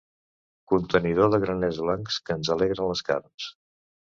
Contenidor de granets blancs que ens alegren les carns.